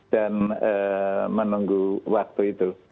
dan menunggu waktu itu